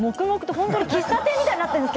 本当に喫茶店みたいになっています。